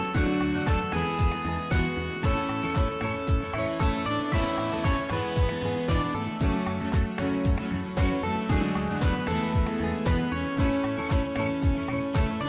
สวัสดีครับ